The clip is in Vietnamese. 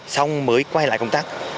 xong mới quay lại công tác